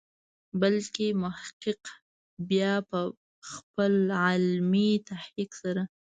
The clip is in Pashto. بل محقق بیا په خپل علمي تحقیق سره.